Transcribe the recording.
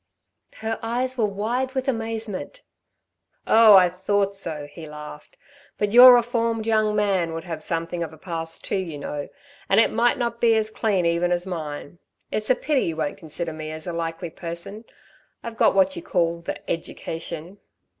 Her eyes were wide with amazement. "Oh I thought so!" he laughed. "But your reformed young man would have something of a past too, you know, and it might not be as clean even as mine. It's a pity you won't consider me as a likely person. I've got what you call the 'education.'"